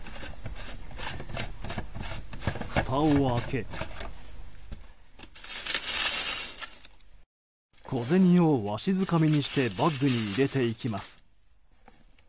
ふたを開け小銭をわしづかみにしてバッグに入れていきます。